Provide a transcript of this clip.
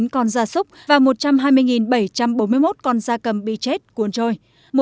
chín con da súc và một trăm hai mươi bảy trăm bốn mươi một con da cầm bị chết cuốn trôi